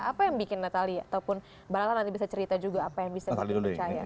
apa yang bikin natali ataupun mbak lala nanti bisa cerita juga apa yang bisa bikin percaya